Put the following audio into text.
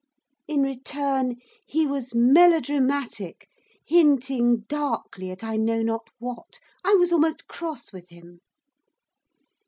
In return, he was melodramatic; hinting darkly at I know not what. I was almost cross with him.